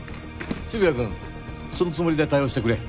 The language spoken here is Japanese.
渋谷くんそのつもりで対応してくれ。